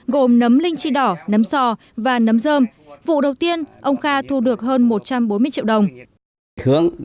gồm nấm linh chi đỏ nấm sò và nấm dơm vụ đầu tiên ông kha thu được hơn một trăm bốn mươi triệu đồng